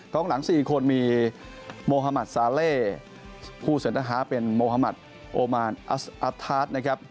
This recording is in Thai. ข้างหลัง๔คนมีโมฮามัทซาเลผู้เซนตร์ฮาสเป็นโมฮามัทโอมานอัทธาสตร์